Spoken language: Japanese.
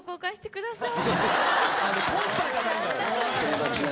コンパじゃないんだから。